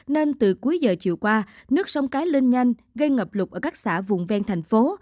nên từ cuối giờ chiều qua nước sông cái lên nhanh gây ngập lụt ở các xã vùng ven thành phố